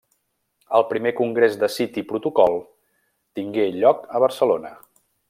El primer congrés de City Protocol tingué lloc a Barcelona.